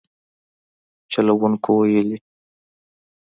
چلوونکو ویلي